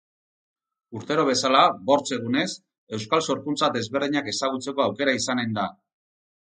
Urtero bezala, bortz egunez, euskal sorkuntza desberdinak ezagutzeko aukera izanen da.